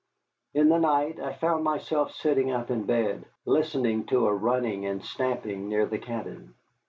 In the night I found myself sitting up in bed, listening to a running and stamping near the cabin.